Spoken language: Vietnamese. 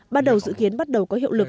bắt đầu dự kiến bắt đầu có hiệu lực